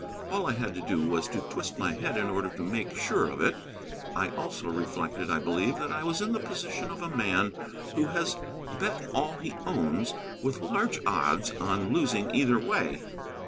All I had to do was to twist my head in order to make sure of it. I also reflected, I believe, that I was in the position of a man who has bet all he owns, with large odds on losing either way.